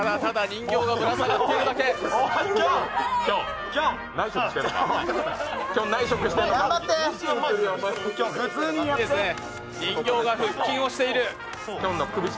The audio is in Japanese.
人形が腹筋をしている。